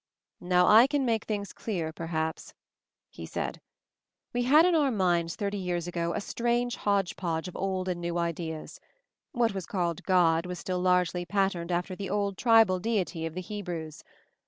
"Now I can make things clearer perhaps," he said. "We had in our minds thirty years ago a strange hodge podge of old and new ideas. What was called God was still largely patterned after the old tribal deity of the Hebrews.